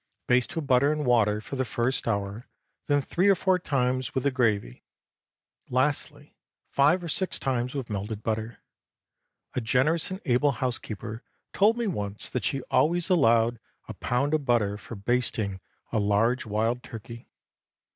Baste with butter and water for the first hour, then three or four times with the gravy; lastly, five or six times with melted butter. A generous and able housekeeper told me once that she always allowed a pound of butter for basting a large wild turkey.